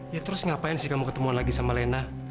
ya terus ngapain sih kamu ketemuan lagi sama lena